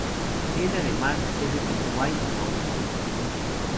Tiene además sedes en Dubái y Mauricio.